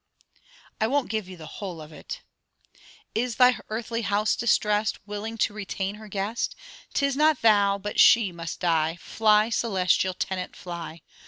I won't give you the whole of it 'Is thy earthly house distressed? Willing to retain her guest? 'Tis not thou, but she, must die; Fly, celestial tenant, fly.'